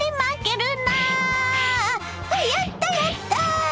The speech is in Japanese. やったやった！